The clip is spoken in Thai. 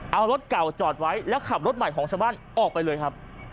เอารถเก่าจอดไว้แล้วขับรถใหม่ของชาวบ้านออกไปเลยครับ